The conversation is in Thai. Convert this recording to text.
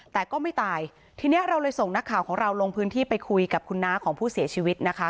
แต่ก็ไม่ตายทีนี้เราเลยส่งนักข่าวของเราลงพื้นที่ไปคุยกับคุณน้าของผู้เสียชีวิตนะคะ